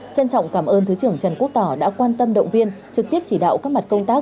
trân trọng cảm ơn thứ trưởng trần quốc tỏ đã quan tâm động viên trực tiếp chỉ đạo các mặt công tác